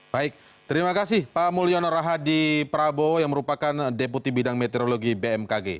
baik terima kasih pak mulyono rahadi prabowo yang merupakan deputi bidang meteorologi bmkg